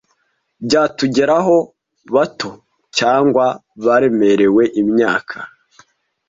byatugeraho bato cyangwa baremerewe imyaka